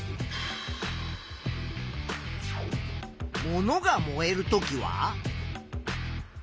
物が燃えるときは？